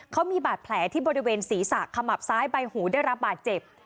เขามีบาดแผลที่บริเวณศีรษะขมับซ้ายใบหูได้รับบาดเจ็บ